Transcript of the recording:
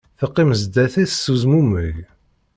Teqqim sdat-s s uzmumeg